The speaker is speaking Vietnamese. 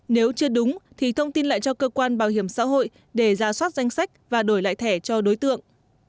nếu chưa đúng thì thông tin lại cho cơ quan bảo hiểm xã hội để ra soát danh sách và đổi lại thẻ cho đối tượng